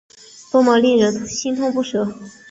多么令人心痛不舍